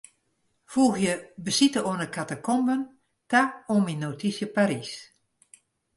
Foegje besite oan 'e katakomben ta oan myn notysje Parys.